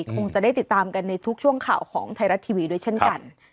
คงจะได้ติดตามกันในทุกช่วงข่าวของไทยรัฐทีวีด้วยเช่นกัน